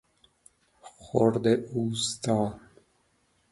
خرده اوستا